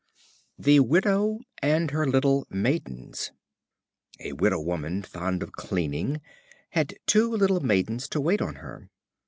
The Widow and her Little Maidens. A widow woman, fond of cleaning, had two little maidens to wait on her.